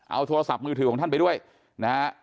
เอาโทรศัพท์มือถือของท่านไปด้วยนะฮะ